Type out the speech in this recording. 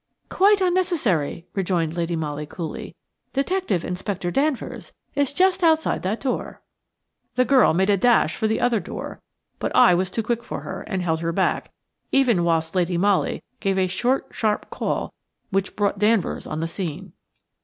"Quite unnecessary," rejoined Lady Molly coolly; "Detective Inspector Danvers is just outside that door." The girl made a dash for the other door, but I was too quick for her, and held her back, even whilst Lady Molly gave a short, sharp call which brought Danvers on the scene.